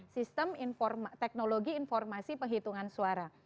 sistem teknologi informasi penghitungan suara